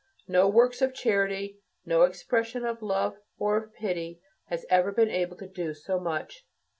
No works of charity, no expression of love or of pity, has ever been able to do so much.